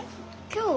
今日？